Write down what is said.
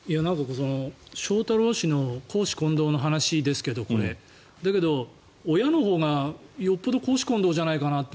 翔太郎氏の公私混同の話ですけど、これだけど、親のほうがよっぽど公私混同じゃないかなって